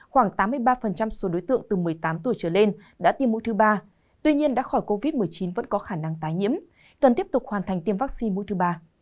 khoảng tám mươi ba số đối tượng từ một mươi tám tuổi trở lên đã tiêm mũi thứ ba tuy nhiên đã khỏi covid một mươi chín vẫn có khả năng tái nhiễm cần tiếp tục hoàn thành tiêm vaccine mũi thứ ba